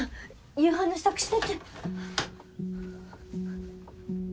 夕飯の支度しなきゃ。